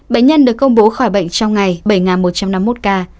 bệnh nhân được công bố khỏi bệnh trong ngày bảy một trăm năm mươi một ca